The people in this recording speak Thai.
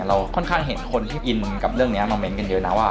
เราค่อนข้างเห็นคนที่อินกับเรื่องนี้มันเม้นเกียจเดี๋ยวน้ำว่า